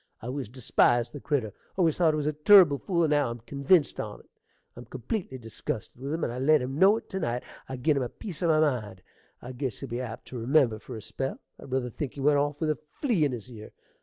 I always despised the critter; always thought he was a turrible fool, and now I'm convinced on't. I'm completely dizgusted with him; and I let him know it to night. I gin him a piece o' my mind't I guess he'll be apt to remember for a spell. I ruther think he went off with a flea in his ear.